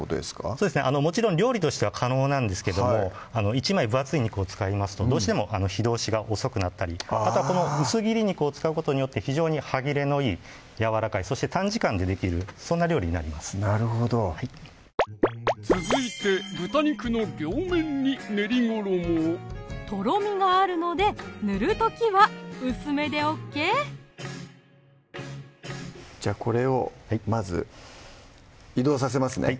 そうですねもちろん料理としては可能なんですけども１枚分厚い肉を使いますとどうしても火通しが遅くなったりあとはこの薄切り肉を使うことによって非常に歯切れのいいやわらかいそして短時間でできるそんな料理になりますなるほど続いて豚肉の両面に練り衣をとろみがあるので塗る時は薄めでＯＫじゃあこれをまず移動させますね